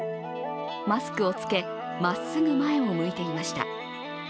マスクを着け、まっすぐ前を向いていました。